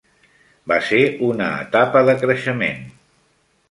Va ser una etapa de creixement.